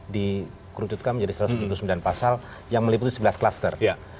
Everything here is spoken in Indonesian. dikrujutkan menjadi satu ratus sembilan pasal yang meliputi sebelas klaster